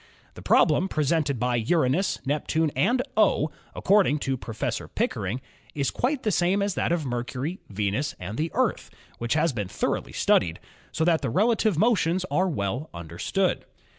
The problem presented by Uranus, Neptune and "O," according to Professor Pickering, is quite the same as that of Mercury, Venus and the Earth, which has been thoroly studied, so that the relative motions are well under stood.